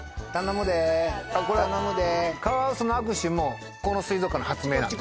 はい頼むでカワウソの握手もこの水族館の発明なんです